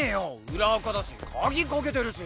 裏アカだし鍵かけてるし！